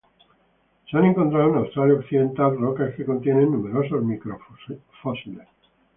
Se han encontrado en Australia occidental rocas que contienen numerosos microfósiles.